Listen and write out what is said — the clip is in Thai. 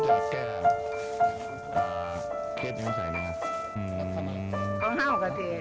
เขาเข้ากัสสิ